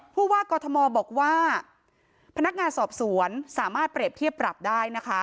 ผู้ว่ากอทมบอกว่าพนักงานสอบสวนสามารถเปรียบเทียบปรับได้นะคะ